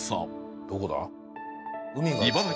どこだ？